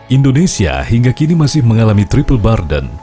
indonesia hingga kini masih mengalami triple burden